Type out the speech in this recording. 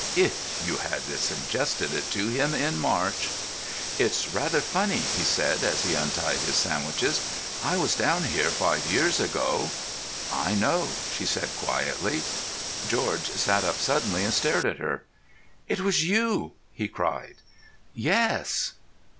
(If you had suggested it to him in March!) "It's rather funny," he said, as he untied his sandwiches—"I was down here five years ago——" "I know," she said quietly. George sat up suddenly and stared at her. "It was you!" he cried. "Yes."